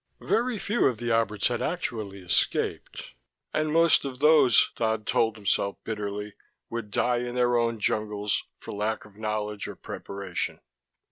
Very few of the Alberts had actually escaped and most of those, Dodd told himself bitterly, would die in their own jungles, for lack of knowledge or preparation.